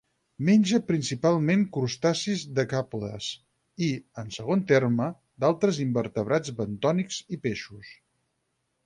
Menja principalment crustacis decàpodes i, en segon terme, d'altres invertebrats bentònics i peixos.